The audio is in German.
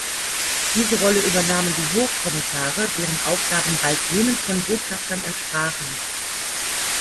Diese Rolle übernahmen die Hochkommissare, deren Aufgaben bald jenen von Botschaftern entsprachen.